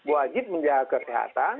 wajib menjaga kesehatan